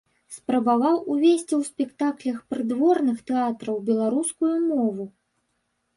Спрабаваў увесці ў спектаклях прыдворных тэатраў беларускую мову.